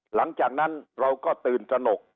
หลังจากนั้นเราก็ตื่นตระหนก